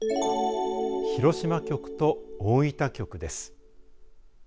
広島局と大分局です。